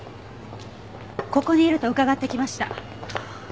ここにいると伺って来ました。